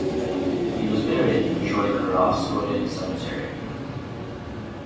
He was buried in the Troyekurovskoye Cemetery.